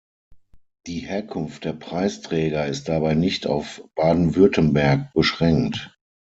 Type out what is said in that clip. Die Herkunft der Preisträger ist dabei nicht auf Baden-Württemberg beschränkt.